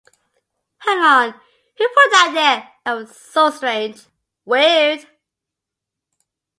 Hang on, who put that there? That was so strange. Weird!